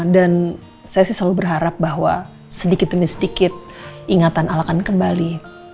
dan saya sih selalu berharap bahwa sedikit demi sedikit ingatan al akan kembali